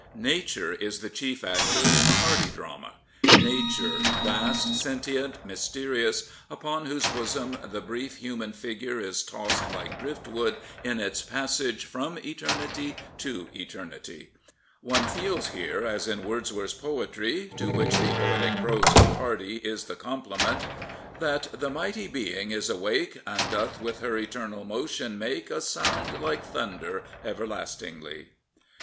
Nature is the chief actor in the Hardy drama — Nature, vast, sentient, mysterious, upon whose bosom the brief human figure b tossed like driftwood in its passage from eternity to 205 Prophets, Priests, and Kings eternity. One feels here, as in Wordsworth's poetry — ^to which the poetic prose of Hardy is the comple ment — ^that The mighty Being is awake, And doth with her eternal motion, make A sound like thunder, everlastingly.